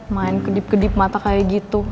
main kedip kedip mata kayak gitu